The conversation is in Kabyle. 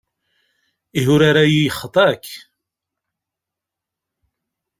Ihi urar-ayi yexḍa-k?